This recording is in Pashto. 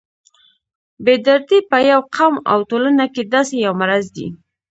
بې دردي په یو قوم او ټولنه کې داسې یو مرض دی.